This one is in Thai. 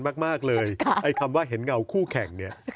สำคัญมากเลยคำเห็นเงากู้แข่ง